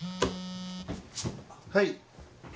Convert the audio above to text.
はい。